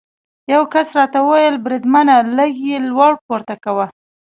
یو کس راته وویل: بریدمنه، لږ یې لوړ پورته کوه.